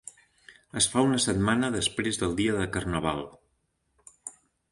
Es fa una setmana després del dia de Carnaval.